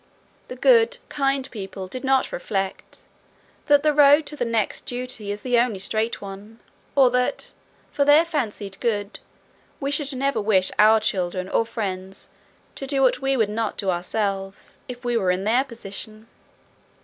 The good, kind people did not reflect that the road to the next duty is the only straight one, or that, for their fancied good, we should never wish our children or friends to do what we would not do ourselves if we were in their position.